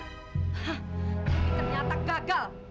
hah tapi ternyata gagal